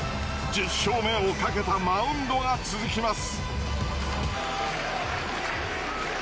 １０勝目をかけたマウンドが続きます。